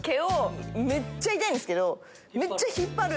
めっちゃ痛いんですけど。